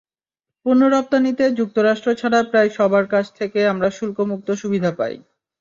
পণ্য রপ্তানিতে যুক্তরাষ্ট্র ছাড়া প্রায় সবার কাছ থেকে আমরা শুল্কমুক্ত সুবিধা পাই।